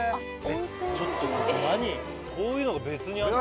ちょっと何こういうのが別にあるの？